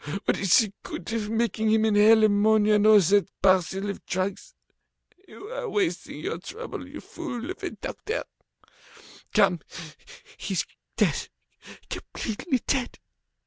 What is the good of making him inhale ammonia and all that parcel of drugs? You are wasting your trouble, you fool of a doctor! Come, he's dead, completely dead.